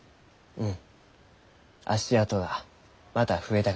うん。